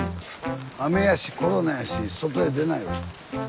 雨やしコロナやし外へ出ないわ。